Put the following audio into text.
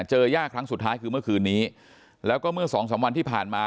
ย่าครั้งสุดท้ายคือเมื่อคืนนี้แล้วก็เมื่อสองสามวันที่ผ่านมา